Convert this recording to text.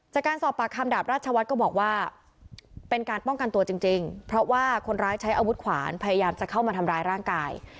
จากการสอบปากคำดาบราชวัฒน์ก็บอกว่าเป็นการป้องกันตัวจริงเพราะว่าคนร้ายใช้อาวุธขวานพยายามจะเข้ามาทำร้ายร่างกาย